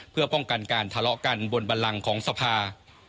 เพื่อป้องกันการทะเลาะกันบนบันลังของสภา